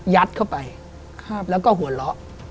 เข้าไปแล้วก็หัวเราะ